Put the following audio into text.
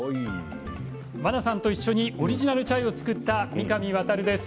茉奈さんと一緒にオリジナルチャイを作った三上弥です。